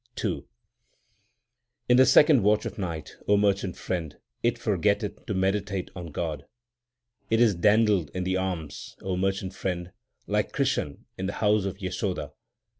II In the second watch of night, O merchant friend, it for getteth to meditate on God. It is dandled in the arms, O merchant friend, like Krishan in the house of Yasodha.